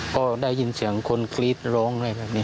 ก็ได้ยินเสียงคนกรีดร้องเลย